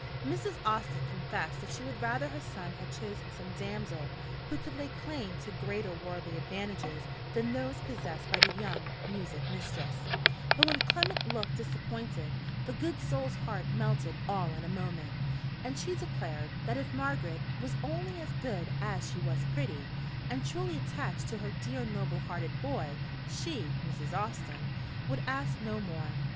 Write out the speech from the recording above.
Mrs. Austin confessed that she would rather her son had chosen some damsel who could lay claim to greater worldly advantages than those possessed by the young music mistress; but when Clement looked disappointed, the good soul's heart melted all in a moment, and she declared, that if Margaret was only as good as she was pretty, and truly attached to her dear noble hearted boy, she (Mrs. Austin) would ask no more.